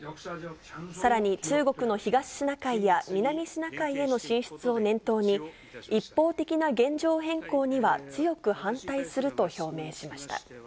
さらに中国の東シナ海や南シナ海への進出を念頭に、一方的な現状変更には強く反対すると表明しました。